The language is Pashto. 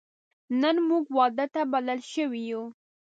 نن موږ واده ته بلل شوی یو